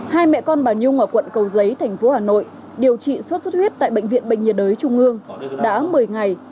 hai mẹ con bà nhung ở quận cầu giấy tp hcm điều trị suốt suốt huyết tại bệnh viện bệnh viện đới trung ương đã một mươi ngày